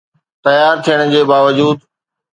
تيار ٿيڻ جي باوجود